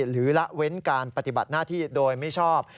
ละเว้นการปฏิบัติหน้าที่โดยไม่ชอบ